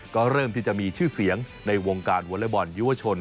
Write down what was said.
ก็เริ่มที่จะมีชื่อเสียงในวงการวอเล็กบอลยุวชน